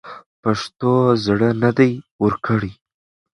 پښتنو زړه نه دی ورکړی.